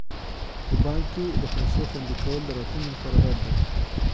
په بانک کې د پيسو خوندي کول د راتلونکي لپاره ډاډ دی.